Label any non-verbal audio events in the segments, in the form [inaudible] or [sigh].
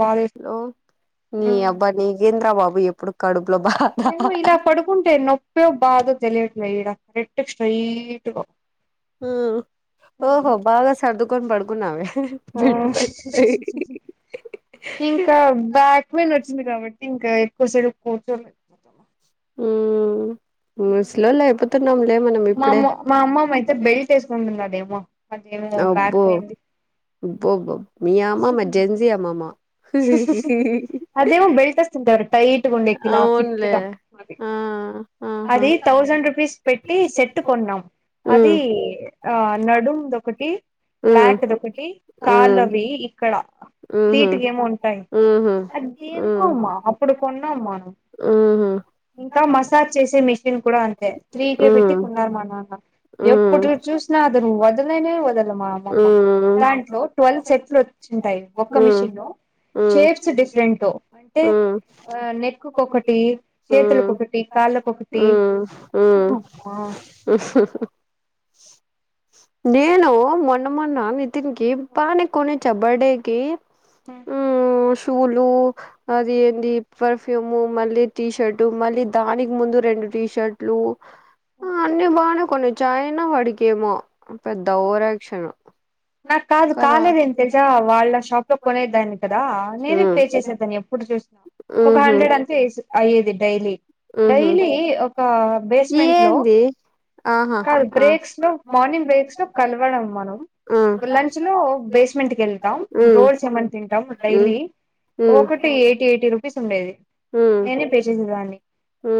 బాధ హలో నీ అబ్బా నీగేంద్రబాబు ఎప్పుడు కడుపులో బా ేమో ఇలా పడుకుంటే నొప్పేో బాధో తెలియ స్ట్ర కరెట్ స్ట్రైట్ ఓహో బాగా సర్దుకోని పడకువ ఇంకా బ్యాక్ పెయిన్ వచ్చింది కాబట్టి ఇంకా కసలుచ త సలోలా ఎప్పతున్నా మా అమ్మ మా అమ్మమ్మ అయితే బెల్ట్ వేసుకుంటుంది కదేమో అది ఏమో బ్యాక్ పెయిన్ బబా మీయామ్మ మర్జెన్సీ అమ్మమా అదేమో బెల్ట్ వేసుకుంటారు టైట్ గా ఉండేకి ఇలా ఫిట్ అవునులే గా అది ఆ ఆహా ఎట్టుకున్నాం అది ఉమ్ ఆ నడుంద ఒకటి ఉమ్ బ్యాక్ అది ఒకటి ఉమ్ కాల్వి ఇక్కడ ఉహు సీటుకి ఏమో ఉంటాయి ఉహు అది దేకో అమ్మా అప్పుడు కొన్న అమ్మాను ఆహ ఇంకా మసాజ్ చేసే మిషన్ కూడా అంతే త్రీ కేే పెట్టి ఉమ్ కొన్నారు మా నాన్న ఎప్పుడు ఉమ్ చూసినా అదను వదలేనే వదలమా అమ్మ ఉమ్ దాంట్లో ట్వెల్త్ సెట్లు ా ఒ ఉమ్ మిషన్ షేప్స్ డిఫరెంట్ అంటే నెక్ కాళ్ళకొకటి అమ్మా హ నేను మొన్న మొన్న నితినికి పాని కొని చ బర్డేకి షూలు అది ఏంటి పర్ ఫ్యూము మళ్ళీ టీ షర్ట్ మళ్ళీ దానికి ముందు రెండు టీషర్ట్లు అన్ని బానే కొన్ని చాయనా వాడికేమో పెద్ద ఓరాక్షన్ నాకు కాదు కాలేదుేం తెసా వాళ్ళ షాప్ లో కొనేదాన్ని కదా నేనే ఉమ్, పే చేసేదాన్ని ఎప్పుడు చూ ఒక ఉహు హండ్రెడ్ అంతే అయ్యేది డైలీ ఉహు డైలీ ఒక బేస్మెంట్ లో ఏంది ఆహా కాదు ఆ బ్రేక్స్ లో మార్నింగ్ బ్రేక్స్ లో కలవడం మనం లంచ్ లో బేస్మెంట్కి వెళ్తాం ఉ రోడ్స్ ఏమన్నా తింటాం ఉ డైలీ ఒకటి మేఘ ఎయిటీ ఎయిటీ రూపీస్ ఉండేది నేనే పే చేసేదాన్ని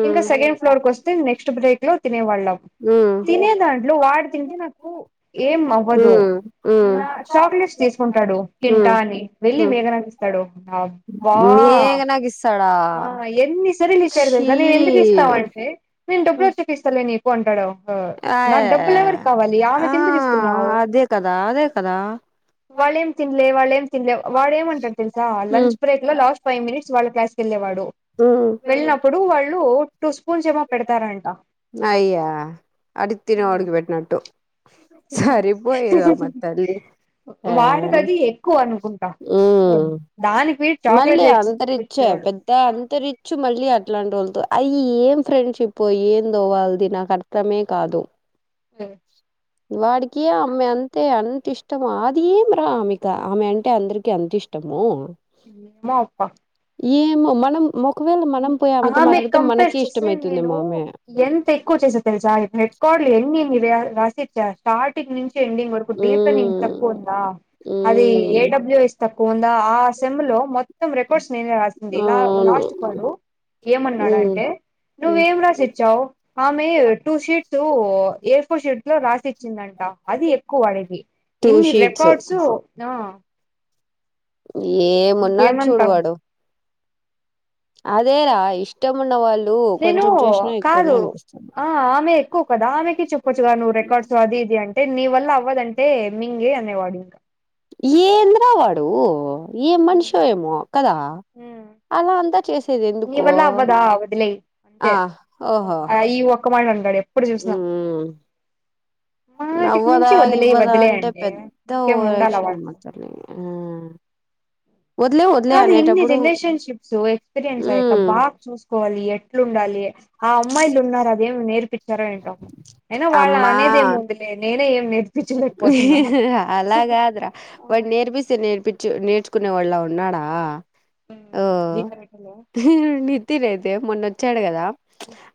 ఇంకా సెకండ్ ఫ్లోర్ క వస్తే నెక్స్ట్ బ్రేక్ లో తినేవాళ్ళము. తినే దాంట్లో వాడు తింటే నాకు ఏం అవ్వదు నా చాక్లెట్స్ తీసుకు ంటాడు తింటా అని వెళ్ళి మేఘనాకిస్తాడు. అబ్బా! నాకు ఇస్తాడా ఆ ఎన్ని సరిలు ఇచ్చారో ఛీ తెలుసా నేను ఎందుకు ఇస్తాను అంటే నేను డబ్బులు వచ్చాక ఇస్తాలే నీకు అంటాడు. ఆ నాకు డబ్బులు ఎవరికి కావాలి ఆ ఆమెకు ఎందుకు ఇస్తున్నావు? అదే కదా అదే కదా వాళ్లేం తినలే వాళ్లేం తినలే వాడేమంటాడో తెలుసా లంచ్ బ్రేక్ లో లాస్ట్ ఫైవ్ మినిట్స్ వాళ్ళ క్లాస్కి వెళ్ళేవాడు. వెళ్ళినప్పుడు, వాళ్ళు టూ స్పూన్స్ ఏమో పెడతారంట అయ్యా అది తినే వాడికి పెట్టినట్టు సరిపోయారమ్మా తల్లీ వాడికది అది ఎక్కువ అనుకుంటా, దానికి వేరే మళ్ళీ చాక్లెట్ అంత రిచ్చే తెచ్చియచ్చు. పెద్ద అంతరిచ్ మళ్ళీ అట్లాంటి వాళ్ళతో అయ ఏం ఫ్రెండ్షిప్ ఏదో వాళ్ళది నాకు అర్థమే కాదు. అ [unintelligible] వాడికి అమ్మె అంతే అంత ఇష్టమా? అది ఏంది రా ఆమెకు ఆమె అంటే అందరికీ అంతఇష్టం. ఇష్టమో ఏమో అబ్బా ఏమో మనం ఒకవేళ మనం పోయి ఆ ఆమెతో హా మీకు మాట్లాడితే కంపేర్ మనకి చేసి నేను ఇష్టమైతుందేమో ఆమె ఎంత ఎక్కువ చేసే తెలుసా హెడ్ కార్లీ ఎన్నినీవి రాసిచ్చా స్టార్టింగ్ నుంచి ఎడింగ్ వరకు డీప్ నీకు హ్మ్ సపోర్టా అది హ్మ్ ఏడబ్ల్యూ ఎస్ తక్కువ ఉందా ఆ సెమ్ లో మొత్తం రికార్డ్స్ నేనే రాసిందిలా అవును లాస్ట్ ఏమన్నాడు హ్మ్ అంటే హ్మ్ నువ్వేం రాసిచ్చావు ఆమె two sheets A four sheets లో రాసిచ్చిందంట. అది ఎక్కువ వాడేది టూ ఇన్ని షీట్స్ రికార్డ్స్. ఏమున్నాడు ఏమంటావు చూడువాడు. ఇష్టం ఉన్న వాళ్ళు నేను కొంచెం చేసినా ఎక్కువనే కాదు అనిపిస్తుంది ఆ ఆమె ఎక్కువ ప ఆమెకి చెప్పొచ్చు కదా నువ్వు రికార్డ్స్ అది ఇది అంటే నీ వల్ల అవ్వదంటే మింగే అనేవాడు. ఏందిరా వాడు ఏ మనిషో ఏమో కదా! అలా అంతా చేసేది నీ ఎందుకో వల్ల అవ్వదా వదిలేయ్ అంతే ఆ ఓహో ఆ ఈ ఒక్క మాట అంటాడు ఎప్పుడు చూసినా మ్ మాటికి నవ్వదా మించి వదిలేయ్ ఇవ్వదా వదిలేయ్ అంటే పెద్ద ఇంకేం ఉండాలా ఓవరాక్షన్ అమ్మ వాడితో తల్లీ. వదులే కాదు ఇన్ని రిలేషన్షిప్స్, ఎక్స్పీరియన్స్ అయ్యాక ఉమ్ బాగా చూసుకోవాలి. ఎట్లుండాలి ఆ అమ్మాయి అక్కయ్యలున్నారు అదేం నేర్పించారా ఏంటో. అయినా వాళ్ళ అమ్మా అనేది ఏం ఉంది లే నేనే ఏం నేర్పించలేకపోతున్నా. అలా కాదురా వాడు నేర్పిస్తే నేర్పిచ్చు నేర్చు కునే వాళ్ళ ఉన్నాడా ఓ అది కరెక్ట్లే ఉహ్ నితి రహ్ మొన్నచ్చాడు కదా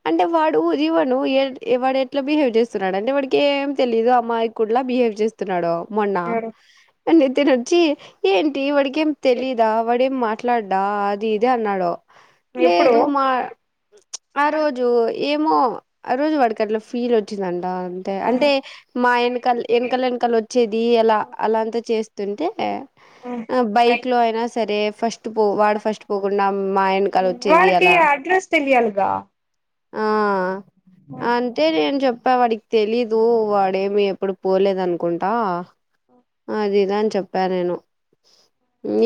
అంటే వాడు జీవను ఏ వాడు ఎట్లా బిహేవ్ చేస్తున్నాడు అంటే, వాడికి ఏం తెలీయదు అమ్మాయికుడిలా బిహేవ్ చేస్తున్నాడు. మొన్న ఏడు నితిన్ వచ్చి ఏంటి వాడికేం తెలీదా వాడేం మాట్లాడ్డా అది ఇది అన్నాడు. ఎప్పుడు లేదు మా ఆ రోజు ఏమో ఆ రోజు వాడికి అట్లా ఫీల్ వచ్చిందంట. అంతే అంటే మా వెనక వెనకల వెనకలు వచ్చేది ఎలా అలాంతా చేస్తుంటే బైక్ లో అయినా సరే ఫట్ పో వాడు ఫస్ట్ పోకుండా మా వెనకాల వచ్చేది వాడికి అలా అడ్రస్ తెలియాలిగా ఆ అంతే నేను చెప్ చెప్ప వాడికి తెలీదు వాడేమి ఎప్పుడు పోలేదు అనుకుంటా అదిద అని చెప్పా నేను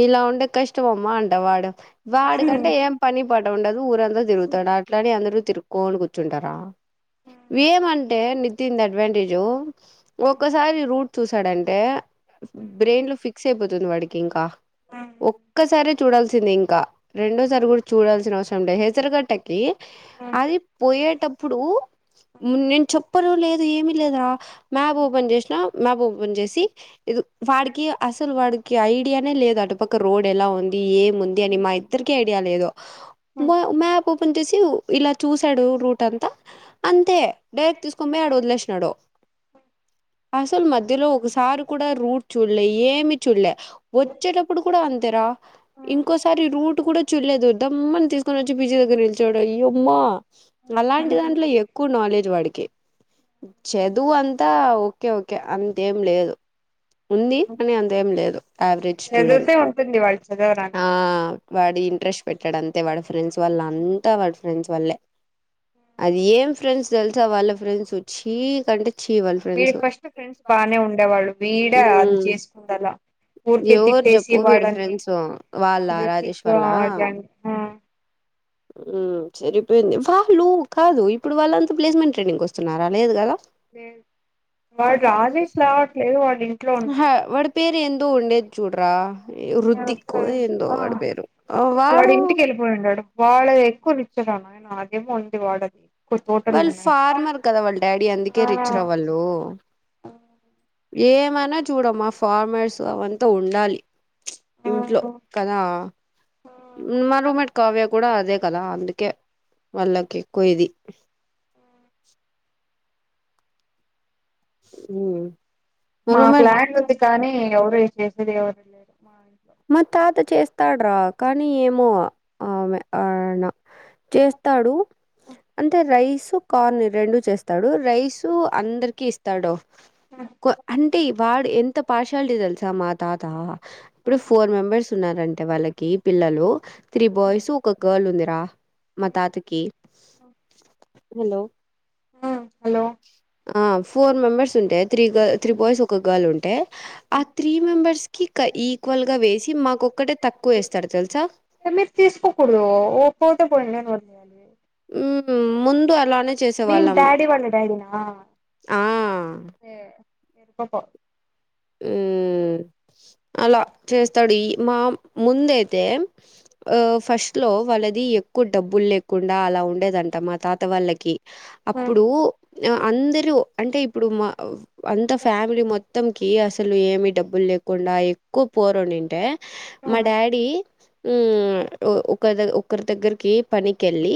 ఇలా ఉంటే కష్టమమ్మా అంట వాడు వాడికంటే ఏం పని పాట ఉండదు ఊరంత తిరుగుతాడు అట్లాని అందరు తిరుక్కోని కూర్చుంటారు ఏమంటే నితిన్ ది అడ్వాంటేజ్ ఒకసారి రూట్ చూసాడంటే బ్రెయిన్ లో ఫిక్స్ అయిపోతుంది వాడికి ఇంకా ఒక్కసారి చూడాల్సింది ఇంకా రెండోసారి కూడా చూడాల్సిన అవసరం లే హెసరగా టెక్ ట్రీ అది పోయేటప్పుడు నేన్ చెప్పను లేదు ఏమి లేదురా మ్యాప్ ఓపెన్ చేసినా మ్యాప్ ఓపెన్ చేసి ఇద్ వాడికి అసలు వాడికి ఐడియా నే లేదు అటుపక్క రోడ్ ఎలా ఉంది ఏం ఉంది అని మా ఇద్దరిక ఐడియా లేదు మా మ్యాప్ కొంత సేవ్ ఇలా చూసాడు రూట్ అంతా అంతే డైరెక్ట్ తీసుకొని పోయి ఆడ వదిలేసినాడు అసలు మధ్యలో ఒకసారి కూడా రూట్ చూడలే ఏమి చూడలే వచ్చేటప్పుడు కూడా అంతేరా ఇంకోసారి రూట్ కూడా చు చూడలేదు దమ్మని తీసుకొని వచ్చి పీజీ దగ్గర నిలిచోడు అయ్యో అమ్మ అలాంటిదాని ఎక్కువ నాలెడ్జ్ వాడికే చదువు అంతా ఓకే ఓకే అంతేం లేదు ఉంది కానీ అంతేం లేదు యావరేజ్ స్టూడెంట్ చదివితే ఉంటుంది వాళ్ళు చదవరాని ఆ వాడు ఇంట్రెస్ట్ పెట్టడు అంతే వాడు ఫ్రెండ్స్ వళ్ళ అంతా వాడు ఫ్రెండ్స్ వళ్లే అది ఏం ఫ్రెండ్స్ తెలుసా వాళ్ళ ఫ్రెండ్స్ చీ కంటే చీ వాళ్ళ వీడి ఫ్రెండ్స్ ఉమ్ ఫస్ట్ ఫ్రెండ్స్ బానే ఉండేవాళ్ళు వీడే అది చేసుకుండలా ఊర్కే ఎవరు తిట్టేసి చెప్పు వీడి వాళ్లని ఫ్రెండ్స్ వాళ్ళ ప్రతిక రాజేష్ వాళ్ళ [unintelligible] ఊ సరిపోయింది వాళ్ళు కాదు ఇప్పుడు వాళ్ళంతా ప్లేస్మెంట్ ట్రైనింగ్ వస్తున్నారా లేదు కదా లేద్ వాడు రాడ్ దీస్ రావట్లేదు వాడు ఇం అహ వాడ్ పేరు ఎందో ఉండేది చూడ్రా వాడు ఇంటికి వెళ్ళిపోయింటడు వాడు ఎక్కువ నిక్ చుర నాయన అదేమో ఉంది వాడది ఎక్కువ తోటలు వాళ్ళు ఉన్నాయి ఫార్మర్ కదా వాళ్ళు డాడీ ఆ అందుకే రిచ్ రా వాళ్ళు ఏమనా చూడమా ఫార్మర్స్ అవంతా ఉండాలి ప్చ్ ఆ ఇంట్లో కదా మా రూమ్ మెట్ కావ్యకు కూడా అదే కదా అందుకే వాళ్ళకి ఎక్కువ ఇది ఊ మాకు ల్యాండ్ ఉంది కానీ ఎవరు చేసేది ఎవరు లేరు మా ఇంట్లో మా తాత చేస్తాడ్రా కానీ ఏమో ఆమే ఆయన చేస్తాడు అంటే రైస్ కార్న్ రెండు చేస్ స్తాడు రైస్ అందరికి ఇస్తాడు కొ అంటే వాడు ఎం త పార్షాలిటీ తెలుసా మా తాత ఇప్పుడు ఫోర్ మెంబర్స్ ఉన్నారండి టే వాళ్ళకి పిల్లలు త్రీ బాయ్స్ ఒక గర్ల్ ఉంది రా మా తాతకి హలో ఆ అ ఆ ఫోర్ మెంబర్స్ ఉంటే త్రీ గల్ త్రీ బాయ్స్ ఒక గర్ల్ ఉంటే ఆ త్రీ మెంబర్స్కి ఇక ఈక్వల్గా వేసి మాకు ఒక్కటే తక్కువ వేస్తాడు తెలుసా మీరు తీసుకోకూడదు ఓ పోతే పోయింది లే అని వ ఊ ముందు అలానే మీన్ చేసేవాళ్ళం. డాడి వాళ్ళ డాడీ నా ఆ! ఏ ఎరిపప్ప ఊ అలా చేస్తాడు ఈ మా ముందయితే ఆ ఫస్ట్ లో వాళ్ళది ఎక్కువ డబ్బులు లేకుండా అలా ఉండేదంట మా తాత వాళ్ళకి అప్పుడు ఆ అందరూ అంటే ఇప్పుడు మా అంత ఫ్యామిలీ మొత్తం కి అసలు ఏమి డబ్బులు లేకుండా ఎక్కువ పోరాడింటే మా డాడీ ఉమ్ ఆ ఒక ఒకరి దగ్గరికి పనికెల్లి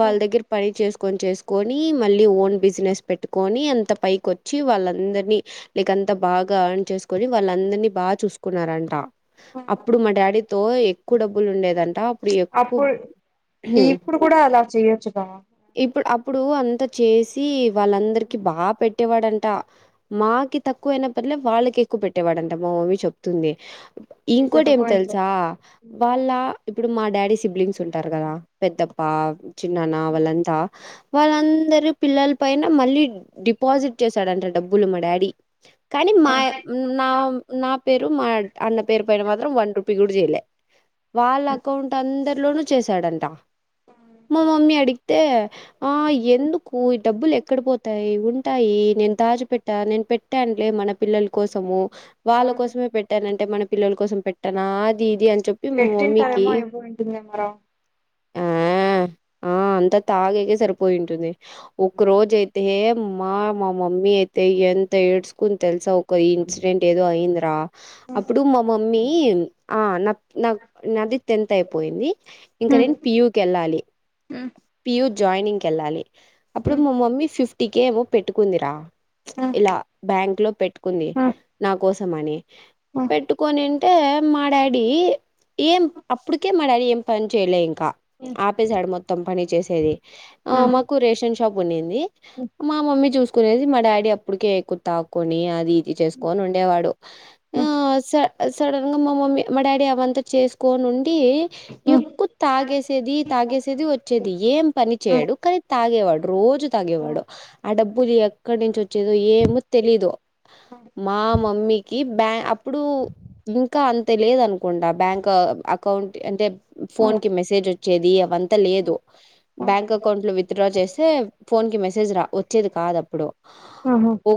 వాళ్ళ దగ్గర పని చేసి కొని చేసుకొని మళ్ళీ ఓన్ బిజినెస్ పెట్టుకొని అంత పైకి వచ్చి వాళ్ళందరినీ లేక అంత బాగా అర్న్ చేసుకుని వాళ్ళ అందరినీ బాగా చూసుకున్నారంట అప్పుడు మా డాడీతో ఎక్కువ డబ్బులు ఉండేదంటా అప్పుడు ఇప్పుడు కూడా అలా చేయొచ్చుగా ఇప్పుడు అప్పుడు అంతా చేసి వాళ్ళందరికి బాగా పెట్ పెట్టేవాడంట మాకి తక్కువ అయిన పనిలే వాళ్ళకి ఎక్కువ పెట్టేవాడంట మా మమ్మీ చెప్తుంది నీ ఇంకోటి ఏమి సరిపోయిందిలే తెలుసా వాళ్ళ ఇప్పుడు మా డాడీ సిబ్లింగ్స్ ఉంటారు కదా పెద్దప్పా చిన్నన్న వాళ్ళ వాళ్ళందరు పిల్లల పైన మళ్ళీ డిపాజిట్ చేశాడంట డబ్బులు మా డాడీ కానీ మా నా నా పేరు మా అన్న పేరు పైన మాత్రం వన్ రూపీ కూడా చేయలే వాళ్ళ అకౌంట్ అందరిలోనూ చేశాడంట మా మమ్మీ అడిగి తే ఆ ఎందుకూ డబ్బులు ఎక్కడ పోతాయి ఉంటాయి నేను తాజు పెట్టా నేను పెట్టానులే మన పిల్లల కోసము వాళ్ళ కోసమే పెట్టాన అంటే మన పిల్లల కోసం పెట్టాను అది ఇది అంతే చెప్పి మా మమ్మీకి పెట్టింటారేమో అయిపోయింటుందేమో రా ఆ అంత తాగక సరిపోయింటుంది ఒక రోజు అయితే మా మా మమ్మీ అయితే ఎంత ఏడ్చుకుని తెలుసా ఒక ఇన్సిడెంట్ ఏదో అయిందిరా అప్పుడు మా మమ్మీ ఆ నా నా నాది టెన్త్ అయిపోయింది ఇంకా నేను పియుూ కే వెళ్ళాలి పియు జాయినింగ్ కి వెళ్ళాలి అప్పుడు మా మమ్మీ ఫిఫ్టీ కే ఏమో పెట్టుకుందిరా ఇలా బ్యాంక్ లో పెట్టుకుంది నా కోసం అని పెట్టుకని అంటే మా డాడీ ఏం అప్పటికే మా డాడీ ఏం పని చేయలే ఇంకా ఆపేసాడ మొత్తం పని చేసేది మాకు రేషన్ షాప్ ఉన్నింది మా మమ్మీ చూసుకునేది మా డాడీ అప్పుటికే కు తాక్కొని అది చేసుకొని ఉండేవాడు ఆ సడన్ గా మా మమ్మీ మా డాడీ అవంతా చేసుకోనిండి ఎక్కువ తాగేసేది తాగేసేది వచ్చేది ఏం పని చేయడు కానీ తాగేవాడు రోజు తాగేవాడు ఆ డబ్బులు ఎక్కడ నుంచి వచ్చేదో ఏమో తెలీదు మా మమ్మీకి బ్యా అప్పుడు ఇంకా అంత అ లేదనుకుండా బ్యాంక్ అకౌంట్ అంటే ఫోన్ కి మెసేజ్ వచ్చేది అవంతా లేదు బ్యాంక్ అకౌంట్ లో విత్ డ్రా చేస్తే ఫోన్ కి మెసేజ్ రా వచ్చేది కాదు అప్పుడు ఒ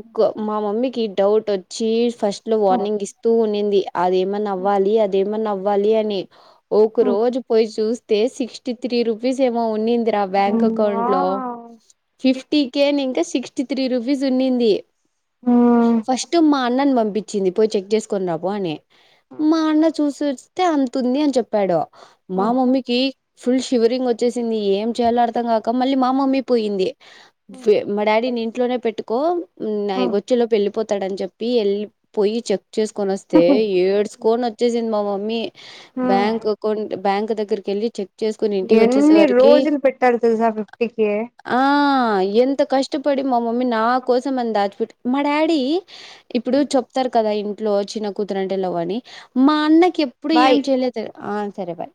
మా మమ్మీకి డౌట్ వచ్చి ఫస్ట్ లో వార్నింగ్ ఇస్తూ ఉంది అదేమన్నా అవ్వాలి అదేమన్నా అవ్వాలి అని ఒక రోజు పోయి చూస్తే సిక్స్టీ త్రీ రూపీస్ ఏమో ఉన్నింది బ్యాంక్ అకౌంట్ లో fifty K sixty three rupees ఉన్నింది ఫస్ట్ మా అన్నను పంపించ చ్చింది పోయి చెక్ చేసుకుని రాపో అని మా అన్న చూసిస్తే అతుంది అని చెప్పాడు మా మమ్మీకి ఫుల్ షివరింగ్ వచ్చ ఏం చేయాలో అర్థం కాక మళ్ళీ మా మమ్మీ పోయింది మా డాడీ ఇంట్లోనే పెట్టు వచ్చిలోపు వెళ్ళిపోతాడని చెప్పి వెళ్ళి పోయి చెక్ చేసుకొని వస్తే ఏడ్సుకొని వచ్చేసింది మా మమ్మీ బ్యాంక్ అకౌంట్ బ్యాంక్ దగ్గరకి వెళ్లి చెక్సుకుని ఇంటికి అన్ని వచ్చేసరికి రోజులు పెట్టారు తెలుసా ఫిఫ్టీకి ఆ ఎంత కష్టపడి మా మమ్మీ నా కోసం అంత దాచి మా డాడీ ఇప్పుడు చెప్తారు కదా ఇంట్లో చిన్న కూతురంటేలో అని మా అన్న ఎప్పుడు ఏం బాయ్ చేయలేదు ఆ సరే బాయ్